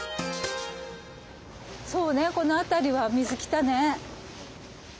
そうねこの辺りは水来たね。